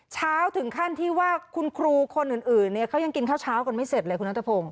เช้าถึงขั้นที่ว่าคุณครูคนอื่นเนี่ยเขายังกินข้าวเช้ากันไม่เสร็จเลยคุณนัทพงศ